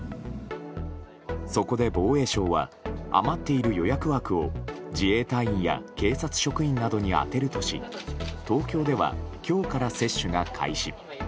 そこで防衛省は余っている予約枠を自衛隊員や警察職員などに充てるとし東京では、今日から接種が開始。